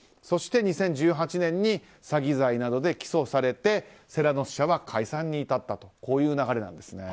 そして２０１８年に詐欺罪などで起訴されてセラノス社は解散に至ったという流れなんです。